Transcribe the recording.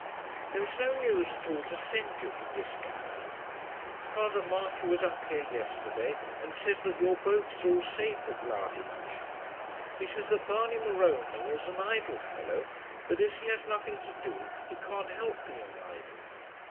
There is no news at all to send you from Liscannor. Father Marty was up here yesterday and says that your boat is all safe at Lahinch. He says that Barney Morony is an idle fellow, but as he has nothing to do he can't help being idle.